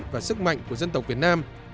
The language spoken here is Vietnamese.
và sức mạnh của dân tộc việt nam